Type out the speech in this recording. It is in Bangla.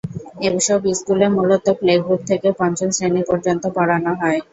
এসব স্কুলে মূলত প্লে গ্রুপ থেকে পঞ্চম শ্রেণি পর্যন্ত পড়ানো হয়।